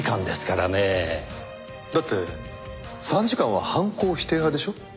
だって参事官は犯行否定派でしょ？